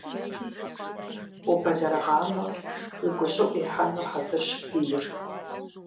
Убэлэрыгъамэ, уи гущӀыӀу ихьэну хьэзырщ бийр.